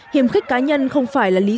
hiểm khích cá nhân không phải là lý do duy nhất